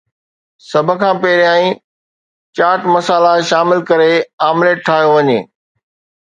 سڀ کان پهريان چاٽ مسالا شامل ڪري آمليٽ ٺاهيو وڃي